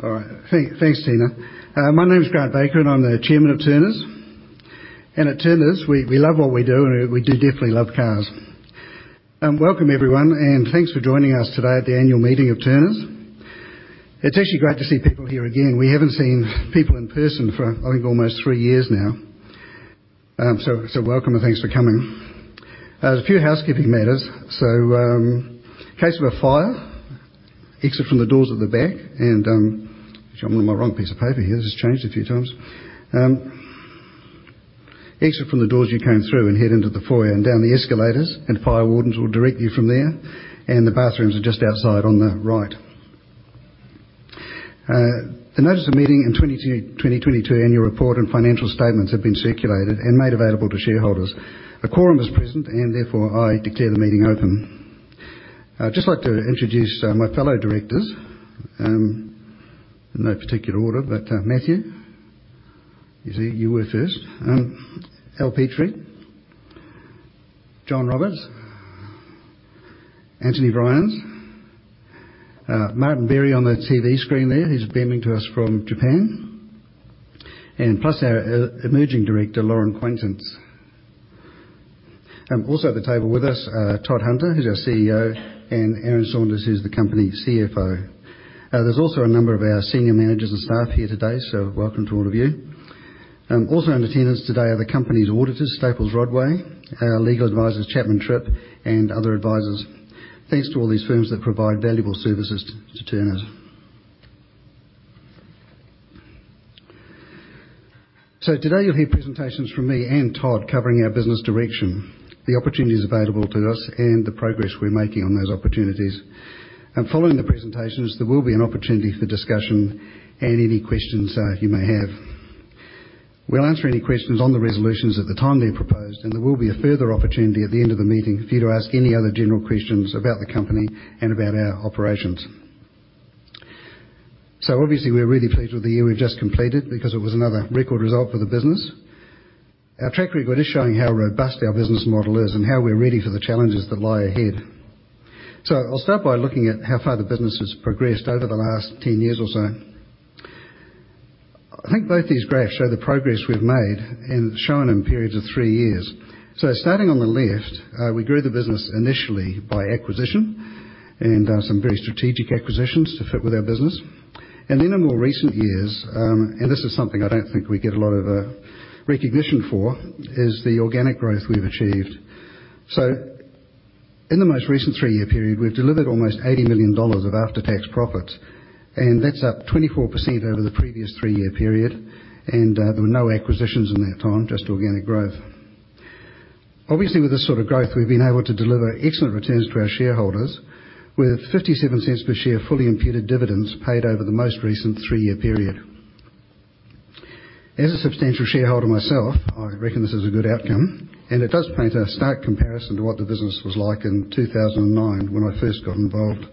All right. Thanks, Tina. My name is Grant Baker, and I'm the Chairman of Turners. At Turners, we love what we do, and we definitely love cars. Welcome, everyone, and thanks for joining us today at the annual meeting of Turners. It's actually great to see people here again. We haven't seen people in person for, I think, almost three years now. So welcome, and thanks for coming. There's a few housekeeping matters. In case of a fire, exit from the doors you came through and head into the foyer and down the escalators, and fire wardens will direct you from there, and the bathrooms are just outside on the right. The notice of meeting and 2022 annual report and financial statements have been circulated and made available to shareholders. A quorum is present and therefore I declare the meeting open. I'd just like to introduce my fellow directors in no particular order, but Matthew. You see, you were first. Alistair Petrie, John Roberts, Antony Vriens, Martin Berry on the TV screen there. He's beaming to us from Japan, and our Emerging Director, Lauren Quaintance. Also at the table with us, Todd Hunter, who's our CEO, and Aaron Saunders, who's the company's CFO. There's also a number of our senior managers and staff here today, so welcome to all of you. Also in attendance today are the company's auditors, Baker Tilly Staples Rodway, our legal advisors, Chapman Tripp, and other advisors. Thanks to all these firms that provide valuable services to Turners. Today you'll hear presentations from me and Todd covering our business direction, the opportunities available to us, and the progress we're making on those opportunities. Following the presentations, there will be an opportunity for discussion and any questions you may have. We'll answer any questions on the resolutions at the time they're proposed, and there will be a further opportunity at the end of the meeting for you to ask any other general questions about the company and about our operations. Obviously, we're really pleased with the year we've just completed because it was another record result for the business. Our track record is showing how robust our business model is and how we're ready for the challenges that lie ahead. I'll start by looking at how far the business has progressed over the last 10 years or so. I think both these graphs show the progress we've made and shown in periods of three years. Starting on the left, we grew the business initially by acquisition and some very strategic acquisitions to fit with our business. Then in more recent years, and this is something I don't think we get a lot of recognition for, is the organic growth we've achieved. In the most recent three-year period, we've delivered almost 80 million dollars of after-tax profits, and that's up 24% over the previous three-year period. There were no acquisitions in that time, just organic growth. Obviously, with this sort of growth, we've been able to deliver excellent returns to our shareholders with 0.57 per share, fully imputed dividends paid over the most recent three-year period. As a substantial shareholder myself, I reckon this is a good outcome, and it does paint a stark comparison to what the business was like in 2009 when I first got involved.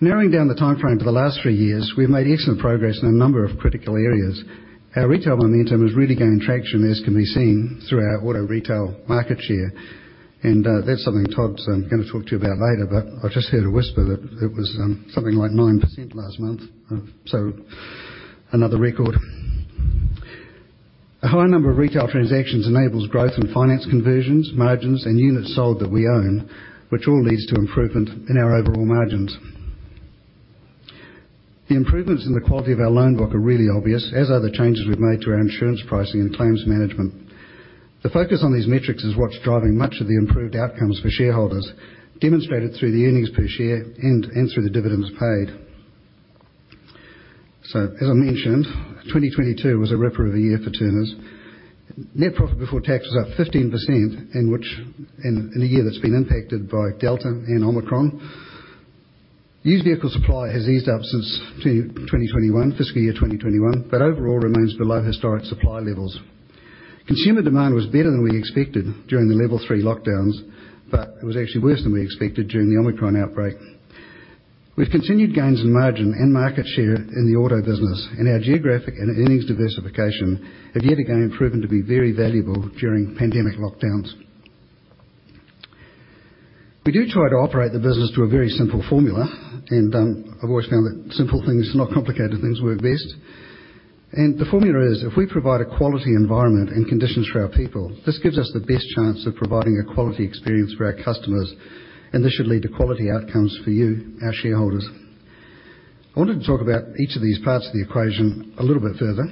Narrowing down the timeframe to the last three years, we've made excellent progress in a number of critical areas. Our retail momentum has really gained traction, as can be seen through our auto retail market share, and that's something Todd's gonna talk to you about later. I've just heard a whisper that it was something like 9% last month, so another record. A high number of retail transactions enables growth in finance conversions, margins, and units sold that we own, which all leads to improvement in our overall margins. The improvements in the quality of our loan book are really obvious, as are the changes we've made to our insurance pricing and claims management. The focus on these metrics is what's driving much of the improved outcomes for shareholders, demonstrated through the earnings per share and through the dividends paid. As I mentioned, 2022 was a ripper of a year for Turners. Net profit before tax was up 15% in a year that's been impacted by Delta and Omicron. Used vehicle supply has eased up since 2021, fiscal year 2021, but overall remains below historic supply levels. Consumer demand was better than we expected during the level three lockdowns, but it was actually worse than we expected during the Omicron outbreak. We've continued gains in margin and market share in the auto business, and our geographic and earnings diversification have yet again proven to be very valuable during pandemic lockdowns. We do try to operate the business to a very simple formula, and I've always found that simple things and not complicated things work best. The formula is, if we provide a quality environment and conditions for our people, this gives us the best chance of providing a quality experience for our customers, and this should lead to quality outcomes for you, our shareholders. I wanted to talk about each of these parts of the equation a little bit further.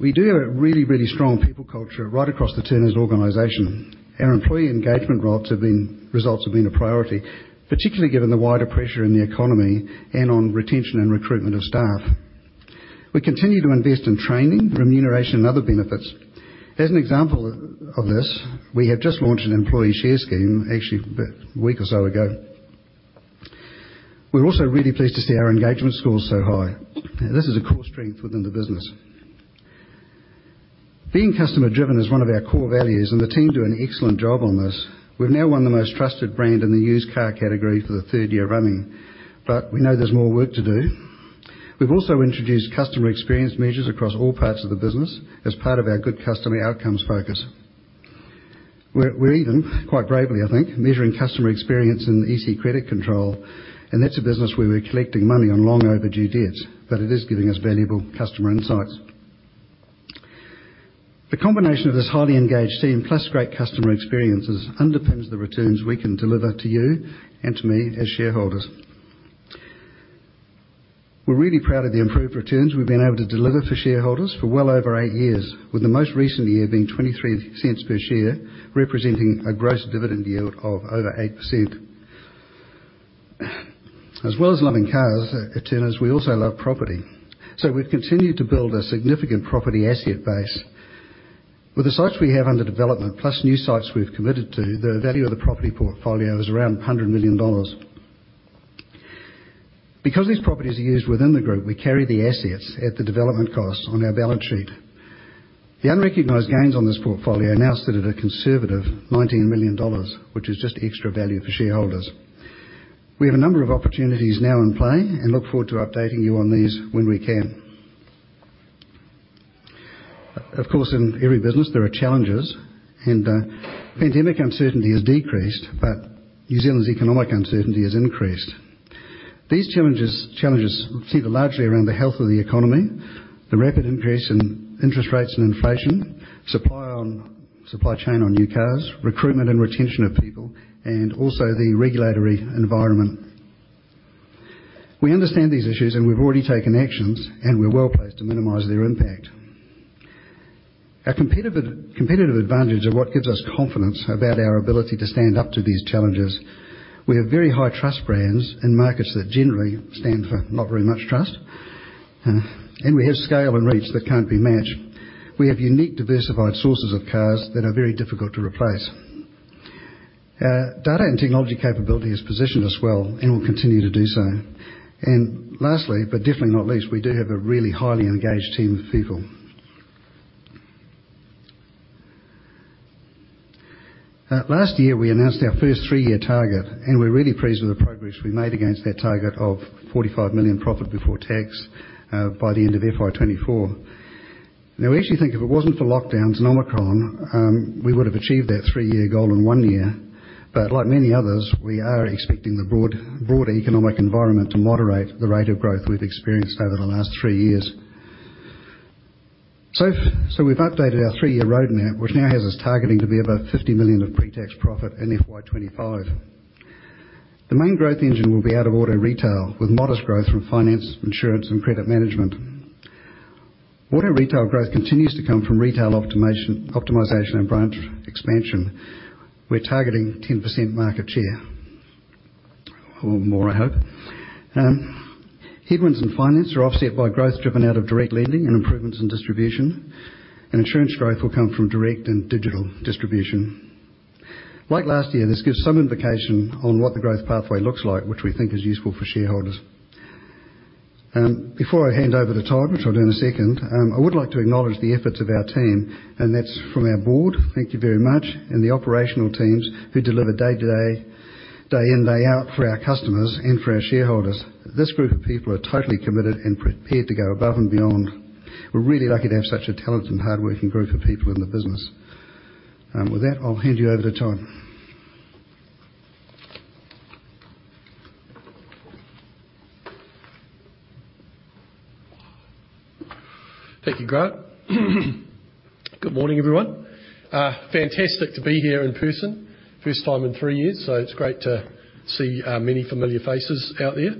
We do have a really, really strong people culture right across the Turners organization. Our employee engagement results have been a priority, particularly given the wider pressure in the economy and on retention and recruitment of staff. We continue to invest in training, remuneration, and other benefits. As an example of this, we have just launched an employee share scheme actually a week or so ago. We're also really pleased to see our engagement scores so high. This is a core strength within the business. Being customer-driven is one of our core values, and the team do an excellent job on this. We've now won the most trusted brand in the used car category for the third year running, but we know there's more work to do. We've also introduced customer experience measures across all parts of the business as part of our good customer outcomes focus. We're even, quite bravely, I think, measuring customer experience in EC Credit Control, and that's a business where we're collecting money on long overdue debts, but it is giving us valuable customer insights. The combination of this highly engaged team plus great customer experiences underpins the returns we can deliver to you and to me as shareholders. We're really proud of the improved returns we've been able to deliver for shareholders for well over eight years, with the most recent year being 0.23 per share, representing a gross dividend yield of over 8%. As well as loving cars at Turners, we also love property. We've continued to build a significant property asset base. With the sites we have under development, plus new sites we've committed to, the value of the property portfolio is around 100 million dollars. Because these properties are used within the group, we carry the assets at the development cost on our balance sheet. The unrecognized gains on this portfolio are now stood at a conservative 19 million dollars, which is just extra value for shareholders. We have a number of opportunities now in play and look forward to updating you on these when we can. Of course, in every business, there are challenges, and pandemic uncertainty has decreased, but New Zealand's economic uncertainty has increased. These challenges center largely around the health of the economy, the rapid increase in interest rates and inflation, supply chain on new cars, recruitment and retention of people, and also the regulatory environment. We understand these issues, and we've already taken actions, and we're well-placed to minimize their impact. Our competitive advantage are what gives us confidence about our ability to stand up to these challenges. We have very high trust brands in markets that generally stand for not very much trust, and we have scale and reach that can't be matched. We have unique diversified sources of cars that are very difficult to replace. Data and technology capability has positioned us well and will continue to do so. Lastly, but definitely not least, we do have a really highly engaged team of people. Last year, we announced our first three-year target, and we're really pleased with the progress we've made against that target of 45 million profit before tax, by the end of FY 2024. Now we actually think if it wasn't for lockdowns and Omicron, we would have achieved that three-year goal in one year. Like many others, we are expecting the broad economic environment to moderate the rate of growth we've experienced over the last three years. We've updated our three-year roadmap, which now has us targeting to be above 50 million of pre-tax profit in FY 2025. The main growth engine will be out of auto retail, with modest growth from finance, insurance, and credit management. Auto retail growth continues to come from retail optimization and branch expansion. We're targeting 10% market share or more, I hope. Headwinds in finance are offset by growth driven out of direct lending and improvements in distribution, and insurance growth will come from direct and digital distribution. Like last year, this gives some indication on what the growth pathway looks like, which we think is useful for shareholders. Before I hand over to Todd, which I'll do in a second, I would like to acknowledge the efforts of our team, and that's from our board, thank you very much, and the operational teams who deliver day to day in, day out for our customers and for our shareholders. This group of people are totally committed and prepared to go above and beyond. We're really lucky to have such a talented and hardworking group of people in the business. With that, I'll hand you over to Todd. Thank you, Grant. Good morning, everyone. Fantastic to be here in person. First time in three years, so it's great to see many familiar faces out there.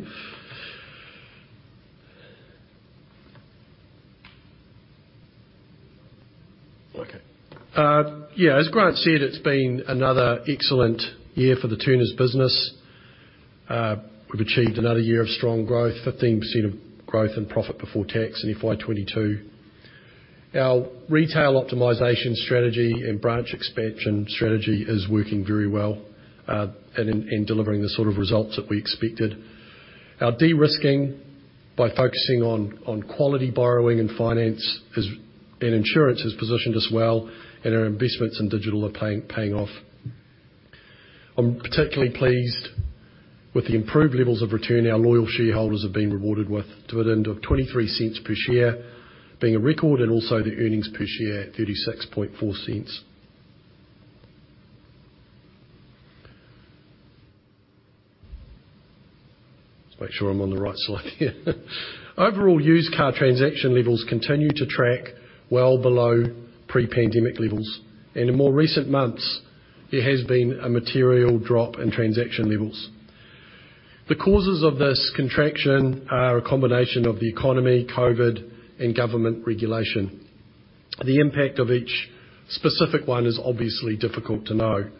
Okay. Yeah, as Grant said, it's been another excellent year for the Turners business. We've achieved another year of strong growth, 15% growth in profit before tax in FY 2022. Our retail optimization strategy and branch expansion strategy is working very well, and delivering the sort of results that we expected. Our de-risking by focusing on quality borrowing and finance and insurance has positioned us well, and our investments in digital are paying off. I'm particularly pleased with the improved levels of return our loyal shareholders have been rewarded with. Dividend of 0.23 per share being a record and also the earnings per share, NZD 0.364. Just make sure I'm on the right slide here. Overall used car transaction levels continue to track well below pre-pandemic levels, and in more recent months, there has been a material drop in transaction levels. The causes of this contraction are a combination of the economy, COVID, and government regulation. The impact of each specific one is obviously difficult to know.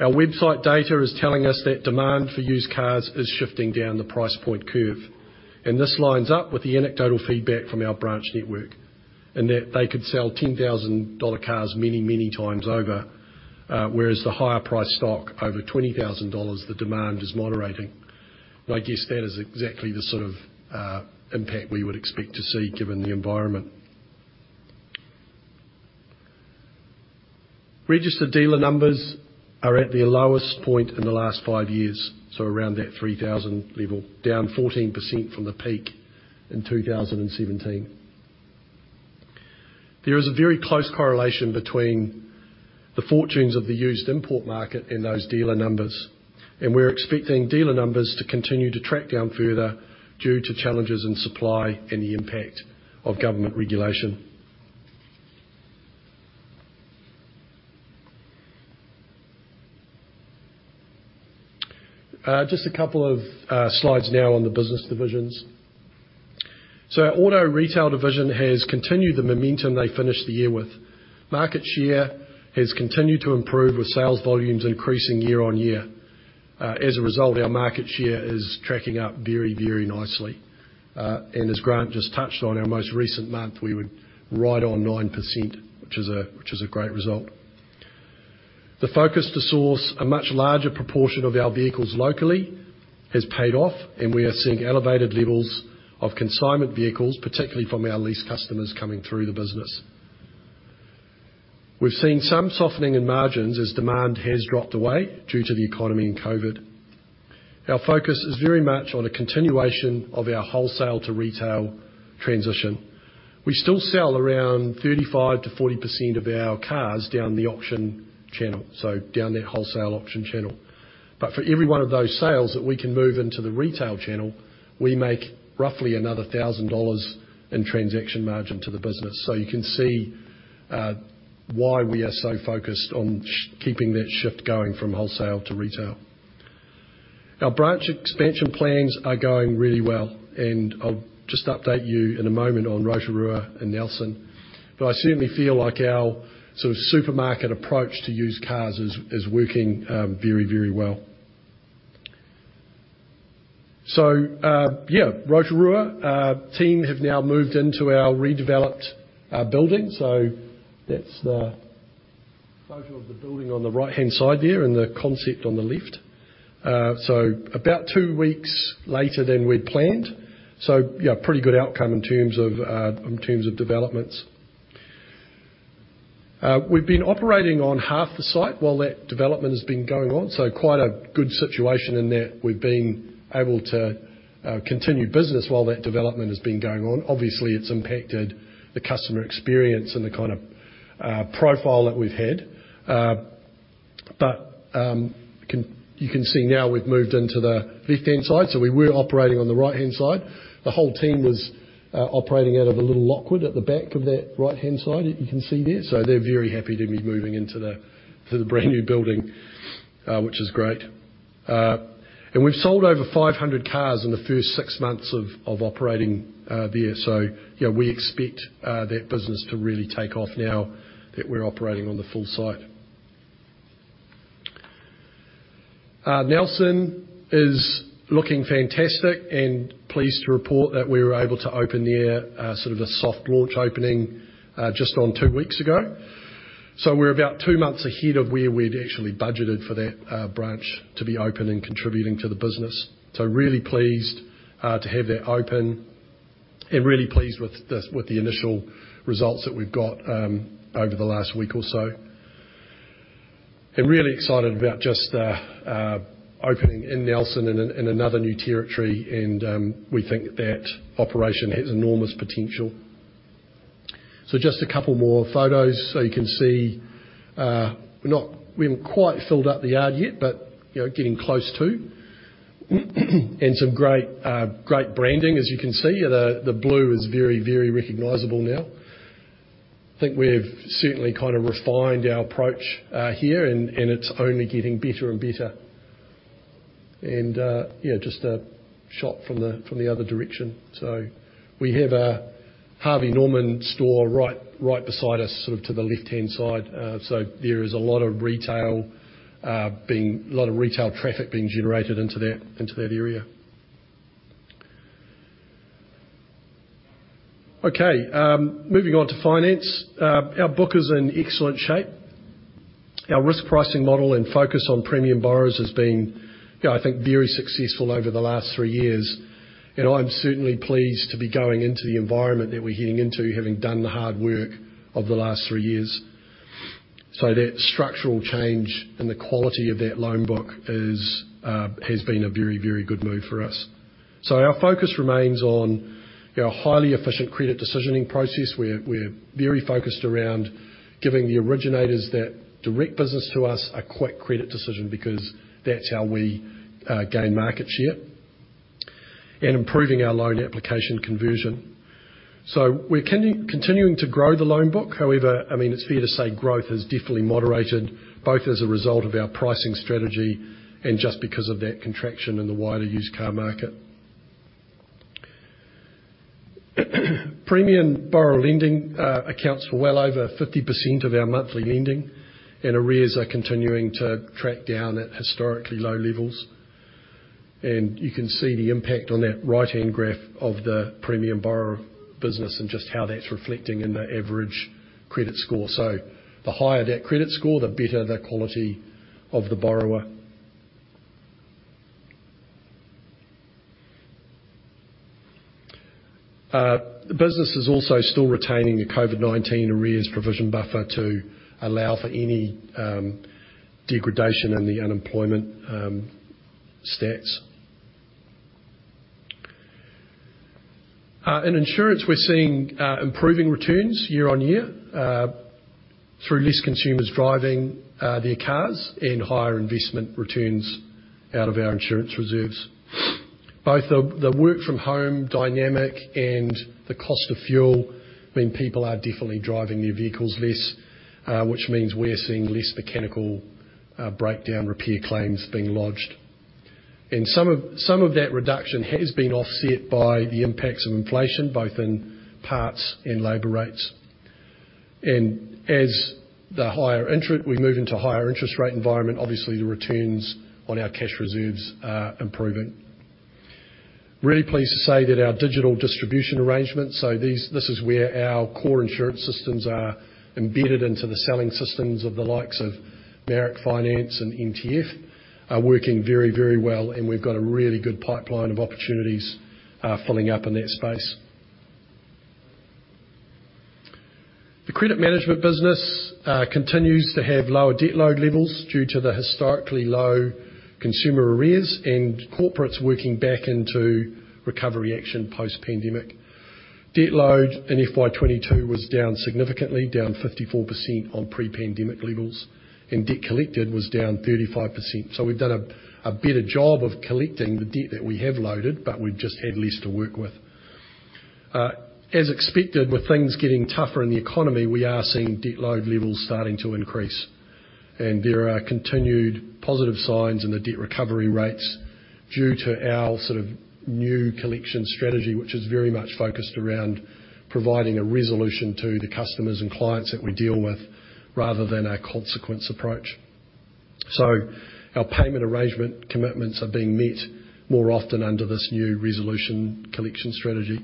Our website data is telling us that demand for used cars is shifting down the price point curve, and this lines up with the anecdotal feedback from our branch network in that they could sell 10,000-dollar cars many, many times over, whereas the higher price stock over 20,000 dollars, the demand is moderating. My guess, that is exactly the sort of impact we would expect to see given the environment. Registered dealer numbers are at their lowest point in the last five years, so around that 3,000 level, down 14% from the peak in 2017. There is a very close correlation between the fortunes of the used import market and those dealer numbers, and we're expecting dealer numbers to continue to track down further due to challenges in supply and the impact of government regulation. Just a couple of slides now on the business divisions. Our auto retail division has continued the momentum they finished the year with. Market share has continued to improve with sales volumes increasing year-on-year. As a result, our market share is tracking up very, very nicely. As Grant just touched on our most recent month, we were right on 9%, which is a great result. The focus to source a much larger proportion of our vehicles locally has paid off, and we are seeing elevated levels of consignment vehicles, particularly from our lease customers coming through the business. We've seen some softening in margins as demand has dropped away due to the economy and COVID. Our focus is very much on a continuation of our wholesale to retail transition. We still sell around 35%-40% of our cars down the auction channel, so down that wholesale auction channel. For every one of those sales that we can move into the retail channel, we make roughly another 1 thousand dollars in transaction margin to the business. You can see why we are so focused on keeping that shift going from wholesale to retail. Our branch expansion plans are going really well, and I'll just update you in a moment on Rotorua and Nelson. I certainly feel like our sort of supermarket approach to used cars is working very, very well. Rotorua team have now moved into our redeveloped building. That's the photo of the building on the right-hand side there and the concept on the left. About two weeks later than we'd planned. Pretty good outcome in terms of developments. We've been operating on half the site while that development has been going on, so quite a good situation in that we've been able to continue business while that development has been going on. Obviously, it's impacted the customer experience and the kind of profile that we've had. You can see now we've moved into the left-hand side, so we were operating on the right-hand side. The whole team was operating out of a little Lockwood at the back of that right-hand side, you can see there. They're very happy to be moving into the brand-new building, which is great. We've sold over 500 cars in the first six months of operating there. You know, we expect that business to really take off now that we're operating on the full site. Nelson is looking fantastic and pleased to report that we were able to open there, sort of a soft launch opening, just two weeks ago. We're about two months ahead of where we'd actually budgeted for that branch to be open and contributing to the business. Really pleased to have that open and really pleased with the initial results that we've got over the last week or so, and really excited about just the opening in Nelson in another new territory, and we think that operation has enormous potential. Just a couple more photos. You can see we haven't quite filled up the yard yet, but you know, getting close to. Some great branding, as you can see. The blue is very, very recognizable now. I think we've certainly kind of refined our approach here, and it's only getting better and better. You know, just a shot from the other direction. We have a Harvey Norman store right beside us, sort of to the left-hand side. There is a lot of retail traffic being generated into that area. Okay, moving on to finance. Our book is in excellent shape. Our risk pricing model and focus on premium borrowers has been, you know, I think very successful over the last three years, and I'm certainly pleased to be going into the environment that we're heading into, having done the hard work of the last three years. That structural change and the quality of that loan book has been a very, very good move for us. Our focus remains on our highly efficient credit decisioning process. We're very focused around giving the originators that direct business to us a quick credit decision because that's how we gain market share and improving our loan application conversion. We're continuing to grow the loan book. However, I mean, it's fair to say growth has definitely moderated, both as a result of our pricing strategy and just because of that contraction in the wider used car market. Premium borrower lending accounts for well over 50% of our monthly lending and arrears are continuing to track down at historically low levels. You can see the impact on that right-hand graph of the premium borrower business and just how that's reflecting in the average credit score. The higher that credit score, the better the quality of the borrower. The business is also still retaining a COVID-19 arrears provision buffer to allow for any degradation in the unemployment stats. In insurance, we're seeing improving returns year on year through less consumers driving their cars and higher investment returns out of our insurance reserves. Both the work from home dynamic and the cost of fuel mean people are definitely driving their vehicles less, which means we're seeing less mechanical breakdown repair claims being lodged. Some of that reduction has been offset by the impacts of inflation, both in parts and labor rates. As we move into higher interest rate environment, obviously the returns on our cash reserves are improving. Really pleased to say that our digital distribution arrangements, so this is where our core insurance systems are embedded into the selling systems of the likes of Marac Finance and MTF, are working very, very well, and we've got a really good pipeline of opportunities, filling up in that space. The credit management business continues to have lower debt load levels due to the historically low consumer arrears and corporates working back into recovery action post-pandemic. Debt load in FY 2022 was down significantly, down 54% on pre-pandemic levels, and debt collected was down 35%. We've done a better job of collecting the debt that we have loaded, but we've just had less to work with. As expected, with things getting tougher in the economy, we are seeing debt load levels starting to increase, and there are continued positive signs in the debt recovery rates due to our sort of new collection strategy, which is very much focused around providing a resolution to the customers and clients that we deal with rather than a consequence approach. Our payment arrangement commitments are being met more often under this new resolution collection strategy.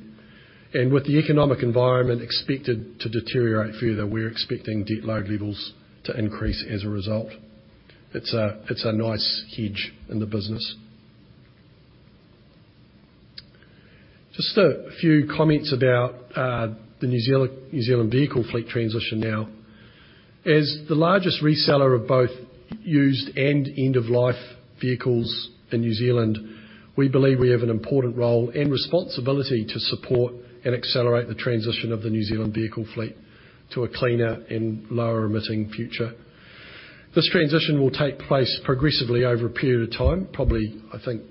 With the economic environment expected to deteriorate further, we're expecting debt load levels to increase as a result. It's a nice hedge in the business. Just a few comments about the New Zealand vehicle fleet transition now. As the largest reseller of both used and end-of-life vehicles in New Zealand, we believe we have an important role and responsibility to support and accelerate the transition of the New Zealand vehicle fleet to a cleaner and lower-emitting future. This transition will take place progressively over a period of time, probably, I think,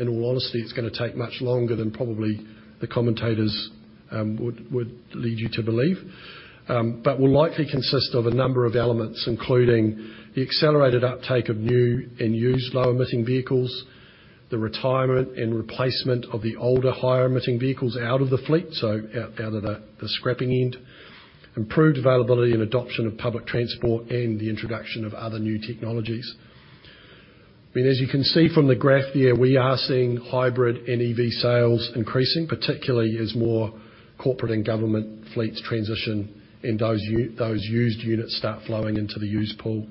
in all honesty, it's gonna take much longer than probably the commentators would lead you to believe. It will likely consist of a number of elements, including the accelerated uptake of new and used low-emitting vehicles, the retirement and replacement of the older higher-emitting vehicles out of the fleet, so out of the scrapping end, improved availability and adoption of public transport, and the introduction of other new technologies. I mean, as you can see from the graph here, we are seeing hybrid and EV sales increasing, particularly as more corporate and government fleets transition and those used units start flowing into the used pool.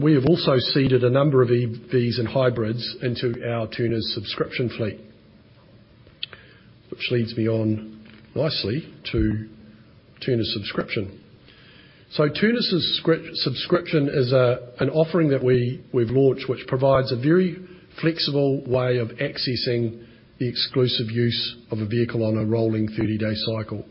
We have also seeded a number of EVs and hybrids into our Turners Subscription fleet. Which leads me on nicely to Turners Subscription. Turners Subscription is an offering that we've launched, which provides a very flexible way of accessing the exclusive use of a vehicle on a rolling 30-day cycle.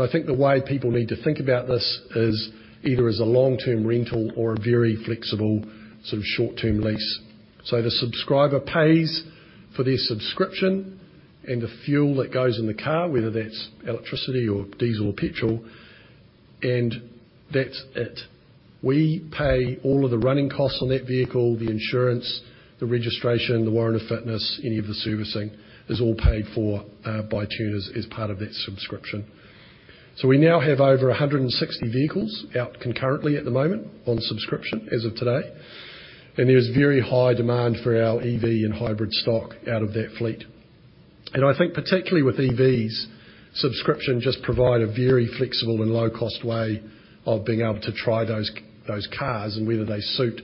I think the way people need to think about this is either as a long-term rental or a very flexible sort of short-term lease. The subscriber pays for their subscription and the fuel that goes in the car, whether that's electricity or diesel or petrol, and that's it. We pay all of the running costs on that vehicle, the insurance, the registration, the warrant of fitness, any of the servicing, is all paid for by Turners as part of that subscription. We now have over 160 vehicles out concurrently at the moment on subscription as of today. There's very high demand for our EV and hybrid stock out of that fleet. I think particularly with EVs, subscription just provide a very flexible and low-cost way of being able to try those cars and whether they suit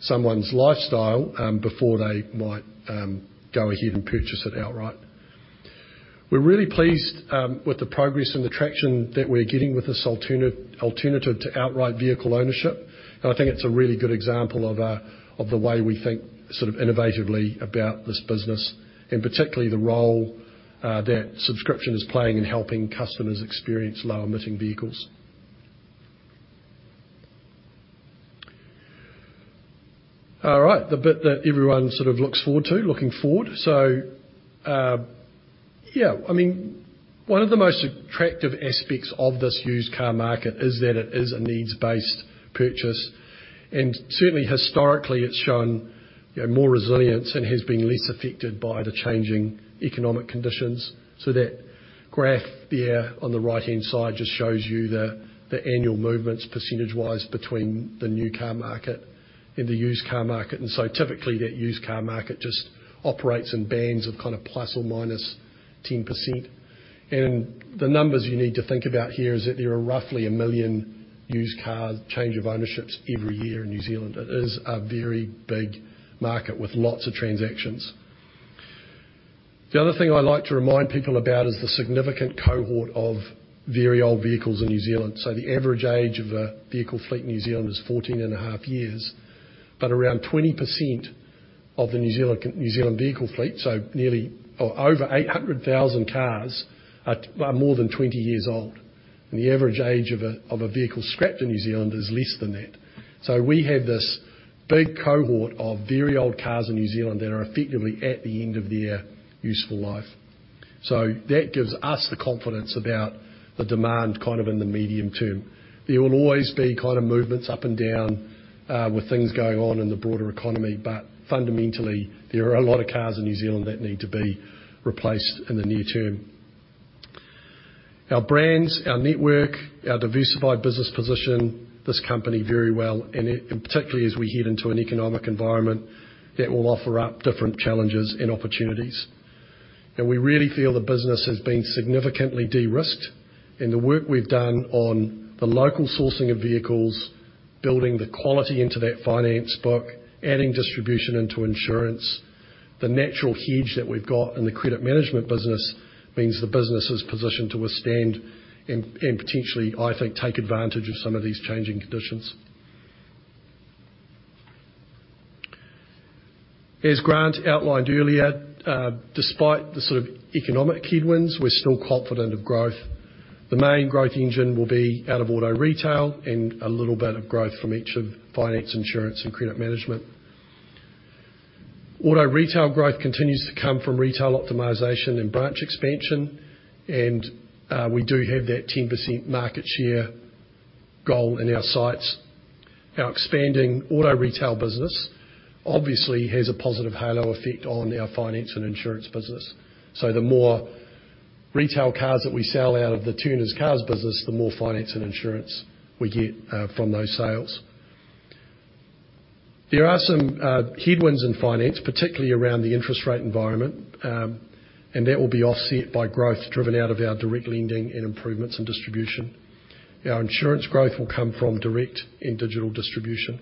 someone's lifestyle before they might go ahead and purchase it outright. We're really pleased with the progress and the traction that we're getting with this alternative to outright vehicle ownership. I think it's a really good example of the way we think sort of innovatively about this business, and particularly the role that subscription is playing in helping customers experience low-emitting vehicles. All right. The bit that everyone sort of looks forward to, looking forward. Yeah, I mean, one of the most attractive aspects of this used car market is that it is a needs-based purchase. Certainly historically, it's shown, you know, more resilience and has been less affected by the changing economic conditions. That graph there on the right-hand side just shows you the annual movements percentage-wise between the new car market and the used car market. Typically, that used car market just operates in bands of kind of ±10%. The numbers you need to think about here is that there are roughly 1 million used cars change of ownerships every year in New Zealand. It is a very big market with lots of transactions. The other thing I like to remind people about is the significant cohort of very old vehicles in New Zealand. The average age of a vehicle fleet in New Zealand is 14.5 years, but around 20% of the New Zealand vehicle fleet, so nearly or over 800,000 cars are more than 20 years old. The average age of a vehicle scrapped in New Zealand is less than that. We have this big cohort of very old cars in New Zealand that are effectively at the end of their useful life. That gives us the confidence about the demand kind of in the medium term. There will always be kind of movements up and down, with things going on in the broader economy, but fundamentally, there are a lot of cars in New Zealand that need to be replaced in the near term. Our brands, our network, our diversified business position, this company very well, and particularly as we head into an economic environment that will offer up different challenges and opportunities. We really feel the business has been significantly de-risked, and the work we've done on the local sourcing of vehicles, building the quality into that finance book, adding distribution into insurance, the natural hedge that we've got in the credit management business means the business is positioned to withstand and potentially, I think, take advantage of some of these changing conditions. As Grant outlined earlier, despite the sort of economic headwinds, we're still confident of growth. The main growth engine will be out of auto retail and a little bit of growth from each of finance, insurance, and credit management. Auto retail growth continues to come from retail optimization and branch expansion, and we do have that 10% market share goal in our sights. Our expanding auto retail business obviously has a positive halo effect on our finance and insurance business. The more retail cars that we sell out of the Turners Cars business, the more finance and insurance we get from those sales. There are some headwinds in finance, particularly around the interest rate environment, and that will be offset by growth driven out of our direct lending and improvements in distribution. Our insurance growth will come from direct and digital distribution.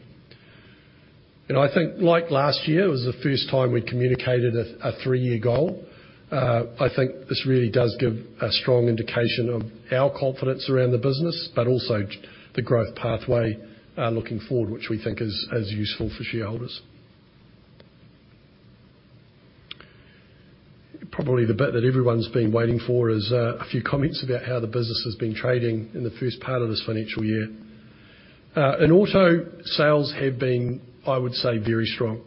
I think like last year, it was the first time we communicated a three-year goal. I think this really does give a strong indication of our confidence around the business, but also the growth pathway looking forward, which we think is useful for shareholders. Probably the bit that everyone's been waiting for is a few comments about how the business has been trading in the first part of this financial year. In auto, sales have been, I would say, very strong.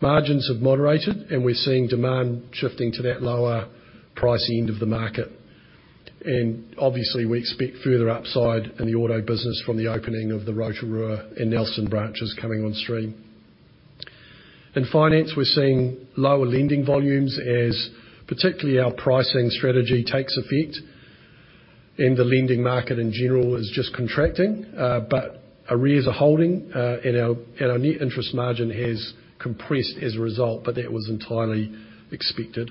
Margins have moderated, and we're seeing demand shifting to that lower price end of the market. Obviously, we expect further upside in the auto business from the opening of the Rotorua and Nelson branches coming on stream. In finance, we're seeing lower lending volumes as particularly our pricing strategy takes effect, and the lending market in general is just contracting, but arrears are holding, and our net interest margin has compressed as a result, but that was entirely expected.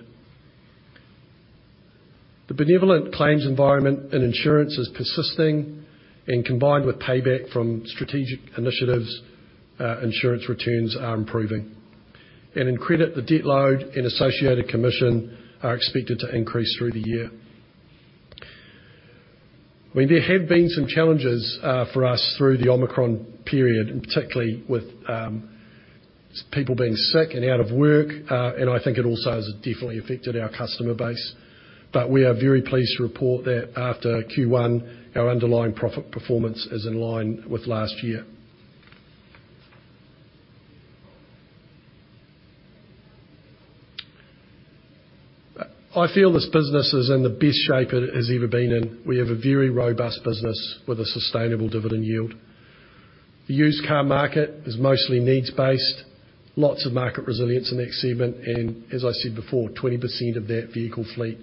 The benevolent claims environment in insurance is persisting and combined with payback from strategic initiatives, insurance returns are improving. In credit, the debt load and associated commission are expected to increase through the year. I mean, there have been some challenges for us through the Omicron period, and particularly with people being sick and out of work, and I think it also has definitely affected our customer base. We are very pleased to report that after Q1, our underlying profit performance is in line with last year. I feel this business is in the best shape it has ever been in. We have a very robust business with a sustainable dividend yield. The used car market is mostly needs-based, lots of market resilience in that segment, and as I said before, 20% of that vehicle fleet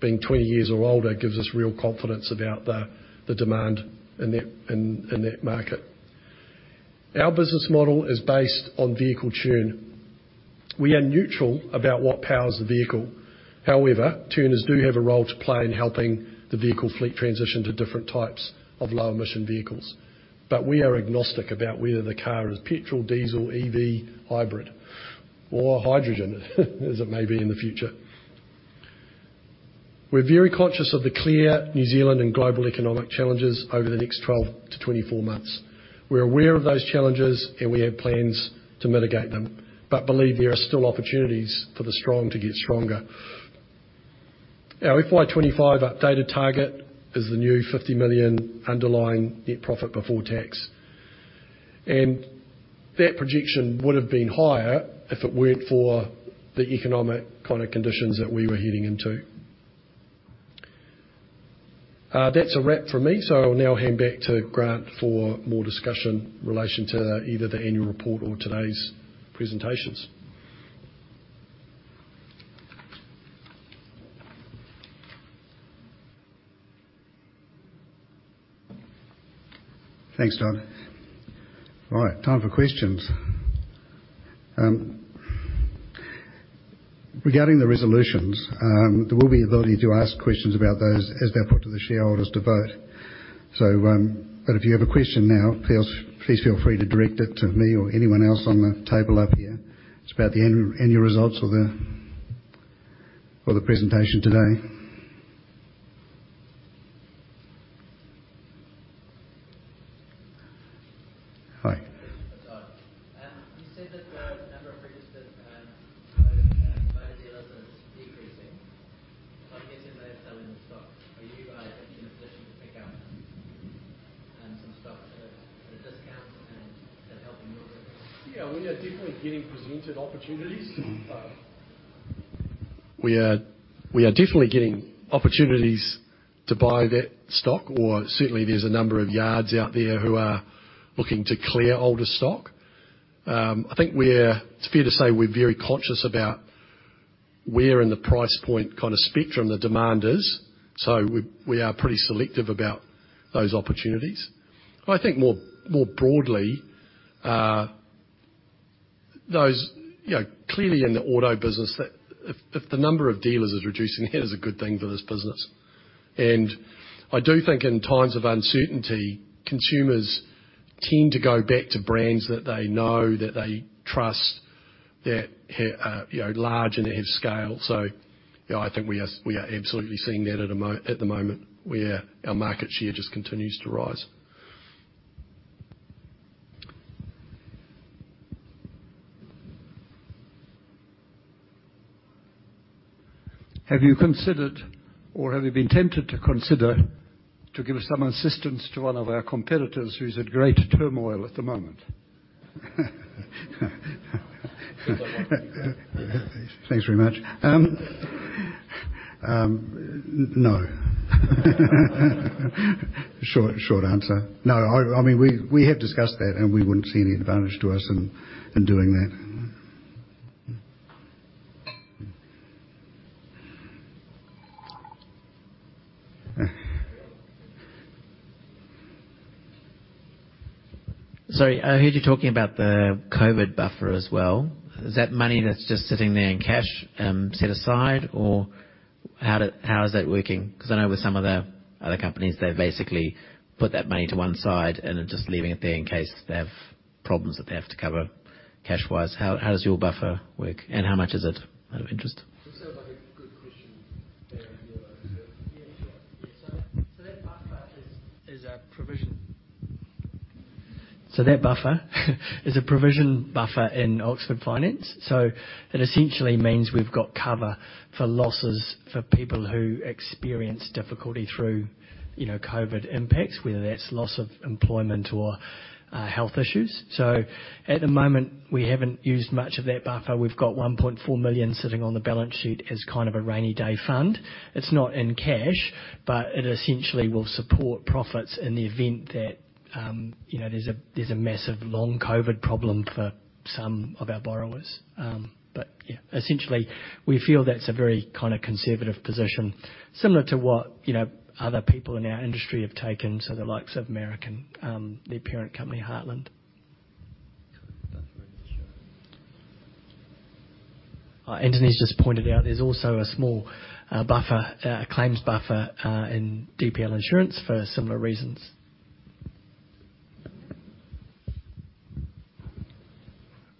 being 20 years or older gives us real confidence about the demand in that market. Our business model is based on vehicle churn. We are neutral about what powers the vehicle. However, Turners do have a role to play in helping the vehicle fleet transition to different types of low-emission vehicles. We are agnostic about whether the car is petrol, diesel, EV, hybrid, or hydrogen, as it may be in the future. We're very conscious of the clear New Zealand and global economic challenges over the next 12-24 months. We're aware of those challenges, and we have plans to mitigate them, but believe there are still opportunities for the strong to get stronger. Our FY 2025 updated target is the new 50 million underlying net profit before tax. That projection would have been higher if it weren't for the economic kind of conditions that we were heading into. That's a wrap from me, so I'll now hand back to Grant for more discussion in relation to either the annual report or today's presentations. Thanks, Todd. All right, time for questions. Regarding the resolutions, there will be ability to ask questions about those as they're put to the shareholders to vote. If you have a question now, folks, please feel free to direct it to me or anyone else on the table up here. It's about the annual results or the presentation today. Hi. You said that the number of registered motor dealers is decreasing. I'm guessing they're selling the stock. Are you guys in a position to pick up some stock at a discount and to help you with this? Yeah, we are definitely getting presented opportunities. We are definitely getting opportunities to buy that stock, or certainly there's a number of yards out there who are looking to clear older stock. I think it's fair to say we're very conscious about where in the price point kind of spectrum the demand is, so we are pretty selective about those opportunities. But I think more broadly, you know, clearly in the auto business that if the number of dealers is reducing, that is a good thing for this business. I do think in times of uncertainty, consumers tend to go back to brands that they know, that they trust, that are, you know, large and have scale. You know, I think we are absolutely seeing that at the moment where our market share just continues to rise. Have you considered, or have you been tempted to consider to give some assistance to one of our competitors who's in great turmoil at the moment? Thanks very much. No. Short answer. No, I mean, we have discussed that, and we wouldn't see any advantage to us in doing that. Sorry, I heard you talking about the COVID buffer as well. Is that money that's just sitting there in cash, set aside, or how is that working? 'Cause I know with some of the other companies, they've basically put that money to one side and are just leaving it there in case they have problems that they have to cover cash-wise. How does your buffer work, and how much is it, out of interest? Sounds like a good question. Aaron, do you want to take it? Yeah, sure. Yeah. That buffer is a provision. That buffer is a provision buffer in Oxford Finance. It essentially means we've got cover for losses for people who experience difficulty through, you know, COVID impacts, whether that's loss of employment or health issues. At the moment, we haven't used much of that buffer. We've got 1.4 million sitting on the balance sheet as kind of a rainy day fund. It's not in cash, but it essentially will support profits in the event that, you know, there's a massive long COVID problem for some of our borrowers. Yeah. Essentially, we feel that's a very kind of conservative position, similar to what, you know, other people in our industry have taken, the likes of Harmoney, their parent company, Heartland. That's very reassuring. Anthony's just pointed out there's also a small claims buffer in DPL Insurance for similar reasons.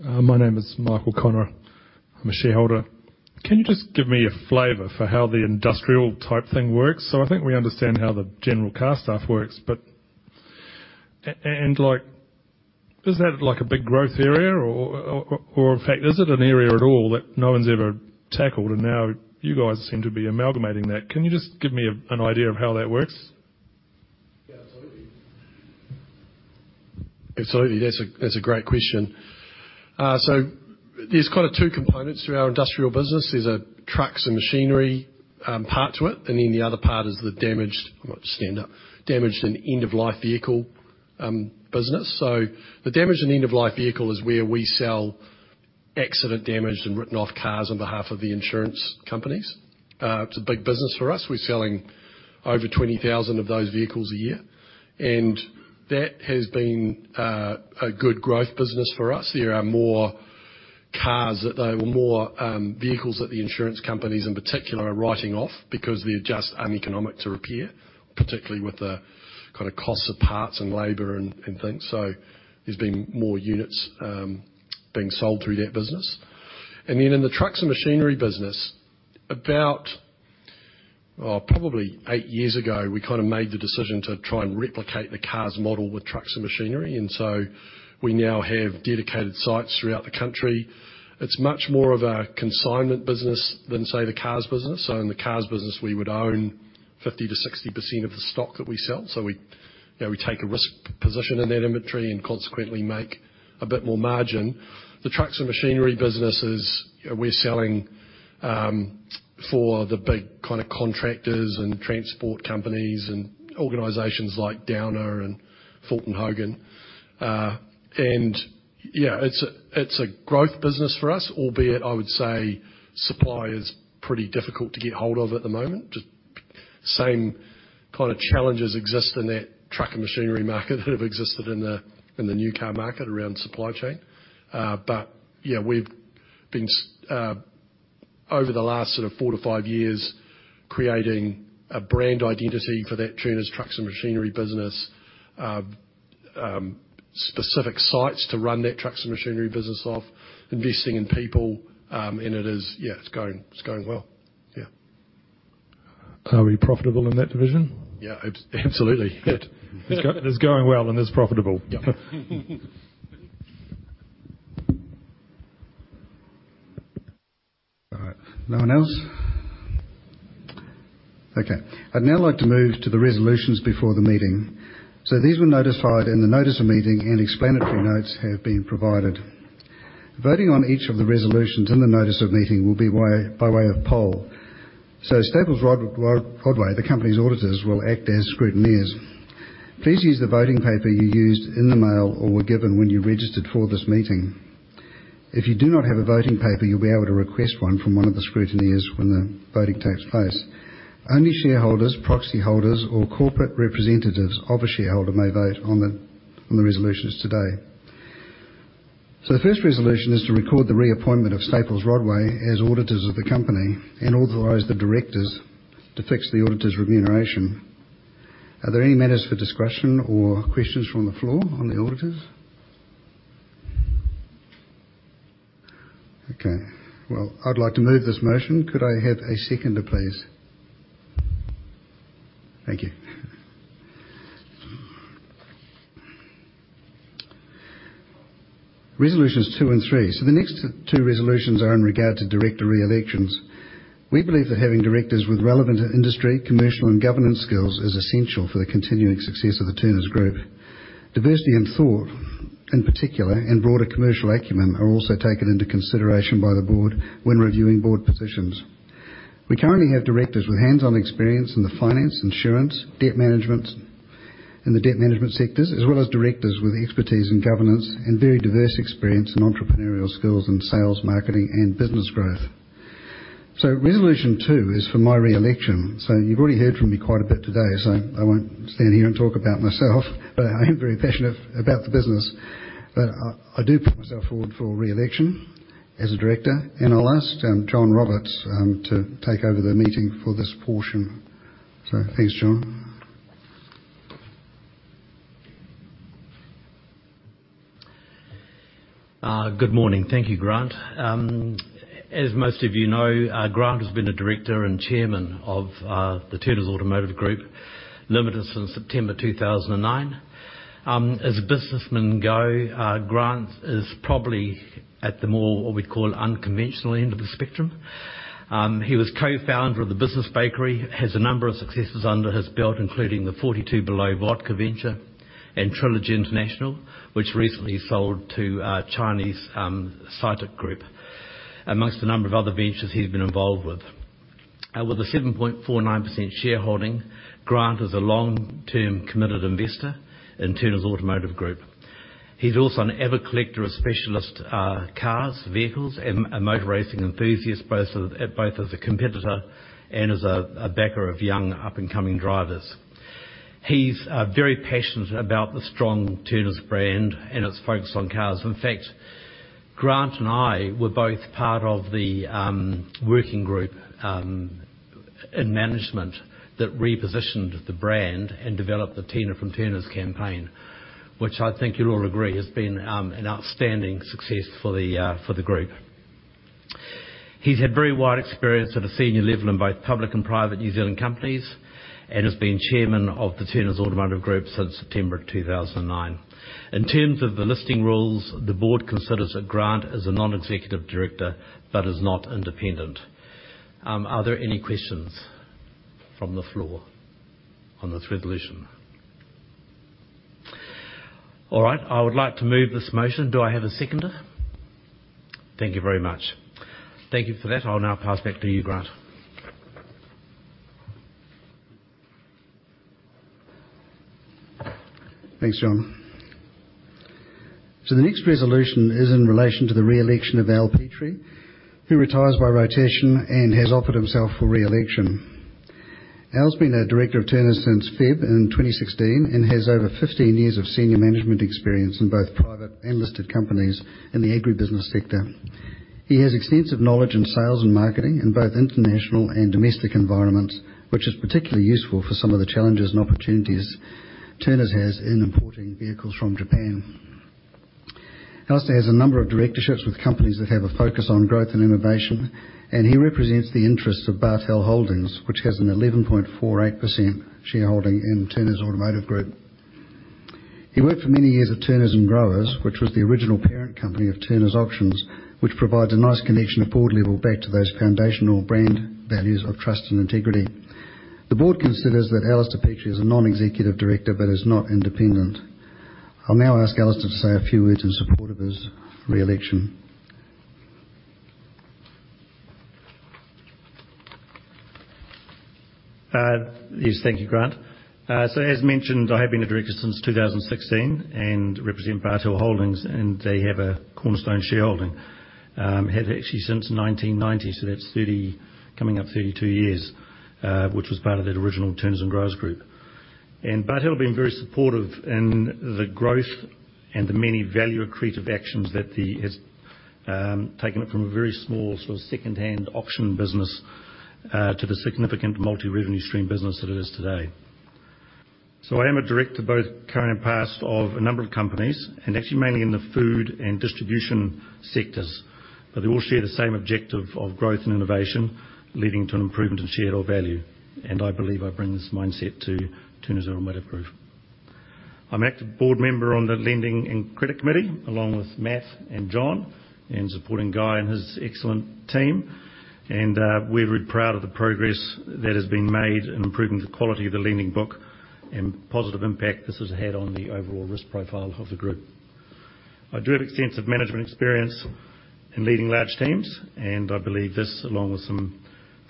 My name is Michael Connor. I'm a shareholder. Can you just give me a flavor for how the industrial-type thing works? I think we understand how the general car stuff works, but and like, is that like a big growth area or, in fact, is it an area at all that no one's ever tackled and now you guys seem to be amalgamating that? Can you just give me an idea of how that works? Yeah, absolutely. That's a great question. So there's kind of two components to our industrial business. There's a trucks and machinery part to it, and then the other part is the damaged and end of life vehicle business. The damaged and end of life vehicle is where we sell accident damaged and written off cars on behalf of the insurance companies. It's a big business for us. We're selling over 20,000 of those vehicles a year, and that has been a good growth business for us. There are more cars or more vehicles that the insurance companies in particular are writing off because they're just uneconomic to repair, particularly with the kind of costs of parts and labor and things. There's been more units being sold through that business. In the trucks and machinery business, about, probably eight years ago, we kinda made the decision to try and replicate the cars model with trucks and machinery. We now have dedicated sites throughout the country. It's much more of a consignment business than, say, the cars business. In the cars business, we would own 50%-60% of the stock that we sell. We, you know, we take a risk position in that inventory and consequently make a bit more margin. The trucks and machinery business is, you know, we're selling for the big kinda contractors and transport companies and organizations like Downer and Fulton Hogan. Yeah, it's a growth business for us, albeit I would say supply is pretty difficult to get hold of at the moment. Just the same kind of challenges exist in that truck and machinery market that have existed in the new car market around supply chain. Yeah, we've been over the last sort of four-five years, creating a brand identity for that Turners Trucks and Machinery business. Specific sites to run that Trucks and Machinery business off, investing in people. It's going well. Are we profitable in that division? Yeah, absolutely. It is going well and is profitable. Yep. All right. No one else? Okay. I'd now like to move to the resolutions before the meeting. These were notified in the notice of meeting and explanatory notes have been provided. Voting on each of the resolutions in the notice of meeting will be by way of poll. Staples Rodway, the company's auditors, will act as scrutineers. Please use the voting paper you received in the mail or were given when you registered for this meeting. If you do not have a voting paper, you'll be able to request one from one of the scrutineers when the voting takes place. Only shareholders, proxy holders or corporate representatives of a shareholder may vote on the resolutions today. The first resolution is to record the reappointment of Staples Rodway as auditors of the company and authorize the directors to fix the auditors' remuneration. Are there any matters for discretion or questions from the floor on the auditors? Okay. Well, I'd like to move this motion. Could I have a seconder, please? Thank you. Resolutions 2 and 3. The next 2 resolutions are in regard to director reelections. We believe that having directors with relevant industry, commercial and governance skills is essential for the continuing success of the Turners Group. Diversity in thought, in particular, and broader commercial acumen are also taken into consideration by the board when reviewing board positions. We currently have directors with hands-on experience in the finance, insurance, debt management sectors, as well as directors with expertise in governance and very diverse experience in entrepreneurial skills and sales, marketing and business growth. Resolution 2 is for my reelection. You've already heard from me quite a bit today, so I won't stand here and talk about myself, but I am very passionate about the business. I do put myself forward for reelection as a director, and I'll ask John Roberts to take over the meeting for this portion. Thanks, John. Good morning. Thank you, Grant. As most of you know, Grant has been a director and chairman of the Turners Automotive Group Limited since September 2009. As businessmen go, Grant is probably at the more, what we'd call unconventional end of the spectrum. He was co-founder of The Business Bakery, has a number of successes under his belt, including the 42 Below Vodka venture and Trilogy International, which recently sold to Chinese CITIC Group, among a number of other ventures he's been involved with. With a 7.49% shareholding, Grant is a long-term committed investor in Turners Automotive Group. He's also an avid collector of specialist cars, vehicles, and a motor racing enthusiast, both as a competitor and as a backer of young up-and-coming drivers. He's very passionate about the strong Turners brand and its focus on cars. In fact, Grant and I were both part of the working group in management that repositioned the brand and developed the Tina from Turners campaign, which I think you'll all agree has been an outstanding success for the group. He's had very wide experience at a senior level in both public and private New Zealand companies and has been chairman of the Turners Automotive Group since September of 2009. In terms of the listing rules, the board considers that Grant is a non-executive director but is not independent. Are there any questions from the floor on this resolution? All right, I would like to move this motion. Do I have a seconder? Thank you very much. Thank you for that. I'll now pass back to you, Grant. Thanks, John. The next resolution is in relation to the reelection of Alistair Petrie, who retires by rotation and has offered himself for reelection. Alistair's been a director of Turners since February 2016 and has over 15 years of senior management experience in both private and listed companies in the agribusiness sector. He has extensive knowledge in sales and marketing in both international and domestic environments, which is particularly useful for some of the challenges and opportunities Turners has in importing vehicles from Japan. Alistair has a number of directorships with companies that have a focus on growth and innovation, and he represents the interests of Bartel Holdings, which has an 11.48% shareholding in Turners Automotive Group. He worked for many years at Turners and Growers, which was the original parent company of Turners Auctions, which provides a nice connection at board level back to those foundational brand values of trust and integrity. The board considers that Alistair Petrie is a Non-Executive Director but is not independent. I'll now ask Alistair Petrie to say a few words in support of his reelection. Yes, thank you, Grant. As mentioned, I have been a director since 2016 and represent Bartel Holdings, and they have a cornerstone shareholding, actually since 1990, so that's 30 coming up 32 years, which was part of that original Turners and Growers group. Bartel have been very supportive in the growth and the many value-accretive actions that they've taken it from a very small sort of second-hand auction business to the significant multi-revenue stream business that it is today. I am a director, both current and past, of a number of companies, and actually mainly in the food and distribution sectors. They all share the same objective of growth and innovation, leading to an improvement in shareholder value, and I believe I bring this mindset to Turners and Weatherproof. I'm active board member on the Lending and Credit Committee, along with Matt and John, and supporting Guy and his excellent team. We're really proud of the progress that has been made in improving the quality of the lending book and positive impact this has had on the overall risk profile of the group. I do have extensive management experience in leading large teams, and I believe this, along with some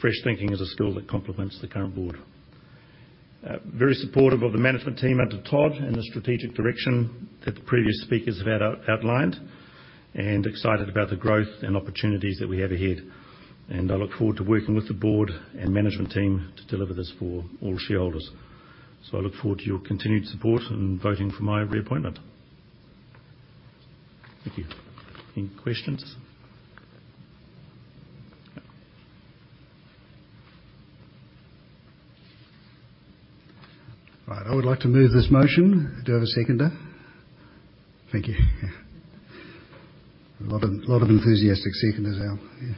fresh thinking, is a skill that complements the current board. Very supportive of the management team under Todd and the strategic direction that the previous speakers have outlined, and excited about the growth and opportunities that we have ahead. I look forward to working with the board and management team to deliver this for all shareholders. I look forward to your continued support in voting for my reappointment. Thank you. Any questions? No. Right. I would like to move this motion. Do I have a seconder? Thank you. A lot of enthusiastic seconders out here.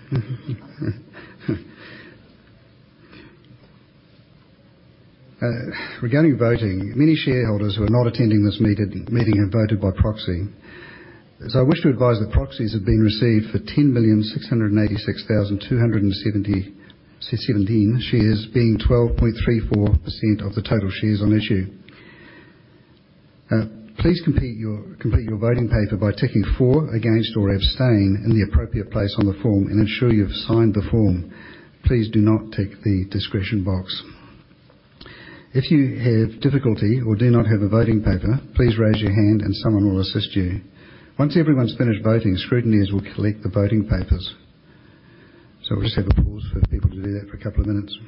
Regarding voting, many shareholders who are not attending this meeting have voted by proxy. I wish to advise that proxies have been received for 10,686,217 shares, being 12.34% of the total shares on issue. Please complete your voting paper by ticking for, against, or abstain in the appropriate place on the form and ensure you've signed the form. Please do not tick the discretion box. If you have difficulty or do not have a voting paper, please raise your hand and someone will assist you. Once everyone's finished voting, scrutineers will collect the voting papers. We'll just have a pause for people to do that for a couple of minutes.